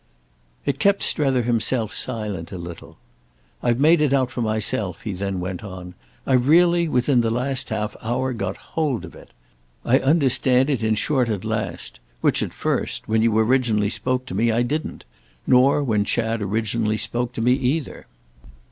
It kept Strether himself silent a little. "I've made it out for myself," he then went on; "I've really, within the last half hour, got hold of it. I understand it in short at last; which at first—when you originally spoke to me—I didn't. Nor when Chad originally spoke to me either."